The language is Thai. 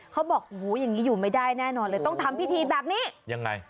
เขาบอกหูอย่างนี้อยู่ไม่ได้แน่นอนเลยต้องทำพิธีแบบนี้ยังไง